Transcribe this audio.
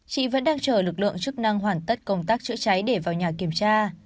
đã đang chờ lực lượng chức năng hoàn tất công tác chữa trái để vào nhà kiểm tra